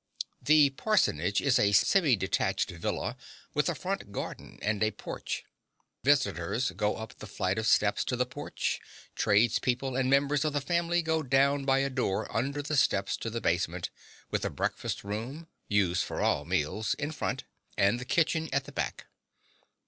The parsonage is a semi detached villa with a front garden and a porch. Visitors go up the flight of steps to the porch: tradespeople and members of the family go down by a door under the steps to the basement, with a breakfast room, used for all meals, in front, and the kitchen at the back.